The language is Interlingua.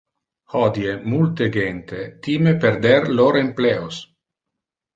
Hodie, multe gente time perder lor empleos.